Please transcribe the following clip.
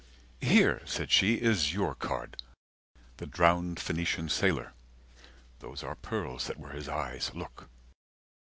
Here, said she, Is your card, the drowned Phoenician Sailor, (Those are pearls that were his eyes. Look!)